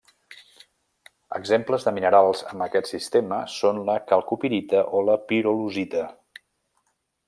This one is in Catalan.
Exemples de minerals amb aquest sistema són la calcopirita o la pirolusita.